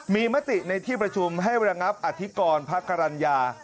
มีมติในที่ประชุมให้ระงับอธิกรพระกรรณญา